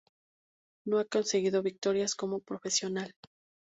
No ha conseguido victorias como profesional.